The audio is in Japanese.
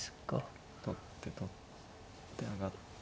取って取って上がって。